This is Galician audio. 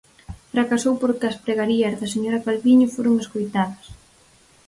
Fracasou porque as pregarías da señora Calviño foron escoitadas.